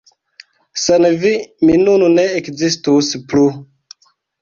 Sen vi mi nun ne ekzistus plu!